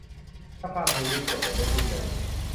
ถ้าข้ามทวีปกด แบบไม่คิดเลย